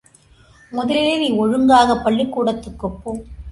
முதலிலே நீ ஒழுங்காகப் பள்ளிக் கூடத்துக்கு போ.